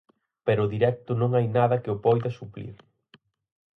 Pero o directo non hai nada que o poida suplir.